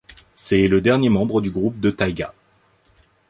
C'est le dernier membre du groupe de Taiga.